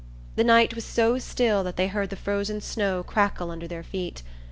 The night was so still that they heard the frozen snow crackle under their feet.